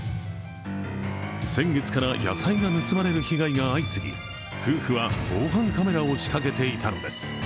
先月から野菜が盗まれる被害が相次ぎ、夫婦は防犯カメラを仕掛けていたのです。